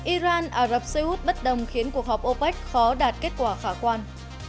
iran ả rập xê út bất đồng khiến cuộc họp opec khó đạt kết quả khả quan